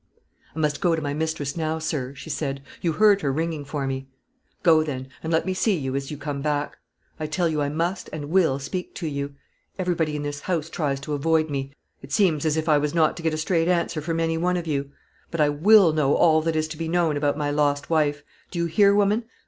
"I must go to my mistress now, sir," she said. "You heard her ringing for me." "Go, then, and let me see you as you come back. I tell you I must and will speak to you. Everybody in this house tries to avoid me. It seems as if I was not to get a straight answer from any one of you. But I will know all that is to be known about my lost wife. Do you hear, woman?